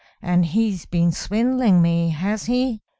And he's been swindling me, has he?"